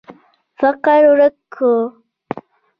فقر ورک کړو.